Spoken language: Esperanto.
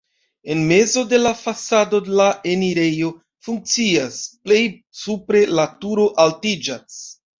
En mezo de la fasado la enirejo funkcias, plej supre la turo altiĝas.